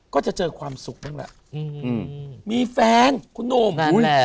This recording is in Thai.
ก็จะเจอความสุขนั่นแหละอืมมีแฟนคุณโน่มนั่นแหละ